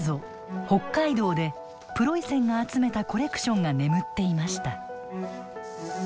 北海道でプロイセンが集めたコレクションが眠っていました。